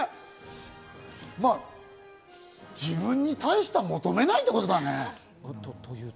自分に対して求めないってことだね。